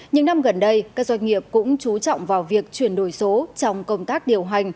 những năm gần đây các doanh nghiệp cũng chú trọng vào việc chuyển đổi số trong công tác điều hành